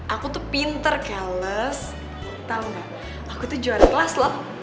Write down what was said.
aku tuh pinter keles tau gak aku tuh juara kelas loh